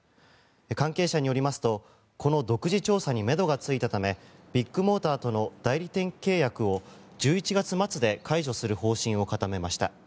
関係者によりますとこの独自調査にめどがついたためビッグモーターとの代理店契約を１１月末で解除する方針を固めました。